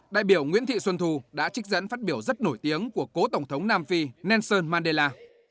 đại biểu nguyễn thị xuân thu đã trích dẫn phát biểu rất nổi tiếng của cố tổng thống nam phi nelson mandela